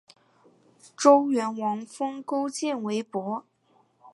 周元王封勾践为伯。